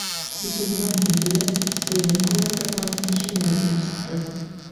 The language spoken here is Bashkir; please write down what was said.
Ишегенән инде лә, суйын ҡуя торған тишегенән килеп сыҡты.